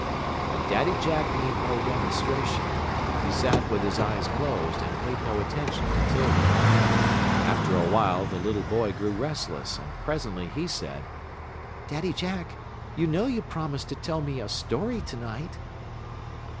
But Daddy Jack made no demonstration. He sat with his eyes closed, and paid no attention to 'Tildy. After awhile the little boy grew restless, and presently he said: "Daddy Jack, you know you promised to tell me a story to night."